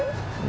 om baik habisin